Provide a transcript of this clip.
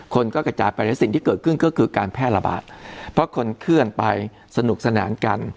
คนก็กระจายไปในสิ่งที่เกิดขึ้นก็คือการแพร่ระบาดเพราะคนเคลื่อนไปสนุกสนานกัน